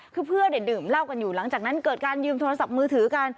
คือเพื่อนดื่มเหล้ากันอยู่หลังจากนั้นเกิดการยืมโทรศัพท์มือถือกัน